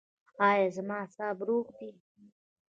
ایا زما اعصاب روغ دي؟